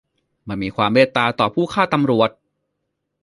ไม่มีความเมตตาต่อผู้ฆ่าตำรวจ !